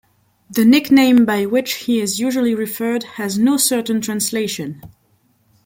The nickname by which he is usually referred has no certain translation.